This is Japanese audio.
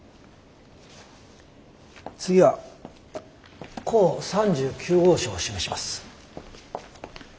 次は甲３９号証を示します。